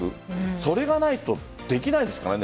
それがないとできないですからね